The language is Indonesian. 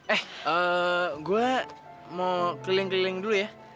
eh gue mau keliling keliling dulu ya